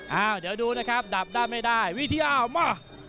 อ้าวเดี๋ยวดูนะครับดับได้ไม่ได้วิทยาออกมา